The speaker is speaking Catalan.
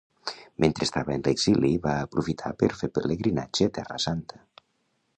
Mentre estava en l'exili va aprofitar per fer pelegrinatge a Terra Santa.